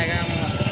hai gram ạ